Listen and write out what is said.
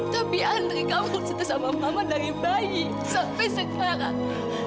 tapi antri kamu itu sama mama dari bayi sampai sekarang